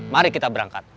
mari kita berangkat